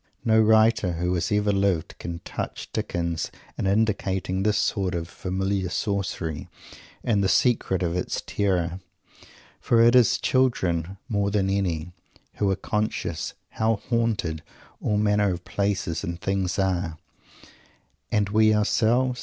No writer who has ever lived can touch Dickens in indicating this sort of familiar sorcery and the secret of its terror. For it is children, more than any, who are conscious how "haunted" all manner of places and things are. And people themselves!